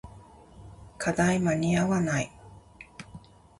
課題間に合わない